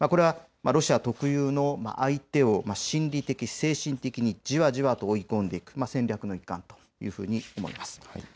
ロシア特有の相手を心理的、精神的にじわじわと追い込んでいく戦略の一環というふうに思います。